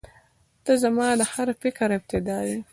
• ته زما د هر فکر ابتدا یې.